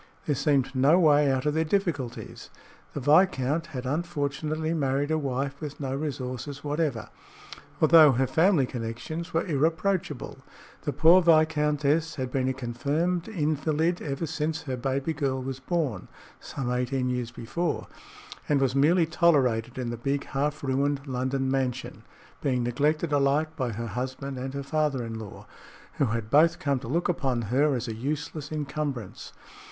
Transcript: There seemed no way out of their difficulties. The viscount had unfortunately married a wife with no resources whatever, although her family connections were irreproachable. The poor viscountess had been a confirmed invalid ever since her baby girl was born, some eighteen years before, and was merely tolerated in the big, half ruined London mansion, being neglected alike by her husband and her father in law, who had both come to look upon her as a useless incumbrance.